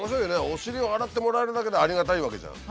お尻を洗ってもらえるだけでありがたいわけじゃん。